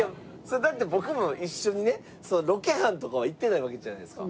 だって僕も一緒にねロケハンとかは行ってないわけじゃないですか。